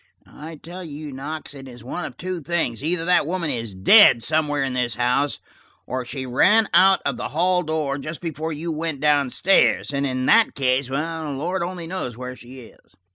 I tell you, Knox, it is one of two things: either that woman is dead somewhere in this house, or she ran out of the hall door just before you went down stairs, and in that case the Lord only knows where she is.